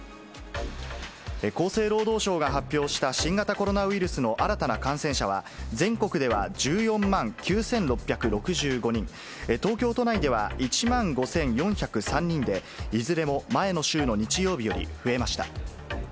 厚生労働省が発表した新型コロナウイルスの新たな感染者は、全国では１４万９６６５人、東京都内では１万５４０３人で、いずれも前の週の日曜日より増えました。